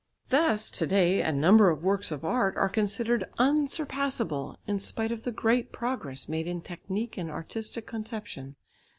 Thus, to day a number of works of art are considered unsurpassable in spite of the great progress made in technique and artistic conception.